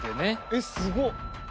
えっすご！